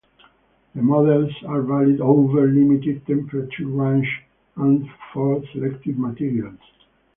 The models are valid over limited temperature ranges and for selected materials.